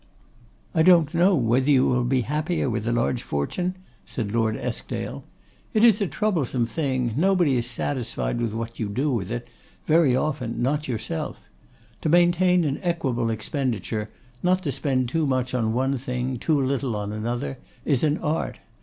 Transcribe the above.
'I don't know whether you will be happier with a large fortune?' said Lord Eskdale. 'It is a troublesome thing: nobody is satisfied with what you do with it; very often not yourself. To maintain an equable expenditure; not to spend too much on one thing, too little on another, is an art.